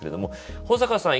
保阪さん